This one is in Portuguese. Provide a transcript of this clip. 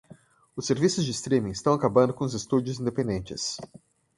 Os serviços de streaming estão acabando com os estúdios independentes.